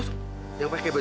jadi ini yang paling menarik